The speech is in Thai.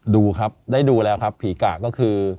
ดูครับได้ดูแล้วครับผีกะก็คือ